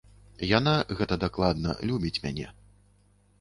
Яна, гэта дакладна, любіць мяне.